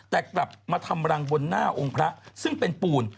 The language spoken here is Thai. แต่กลับมาทำรังบนหน้าองค์พระซึ่งเป็นปูน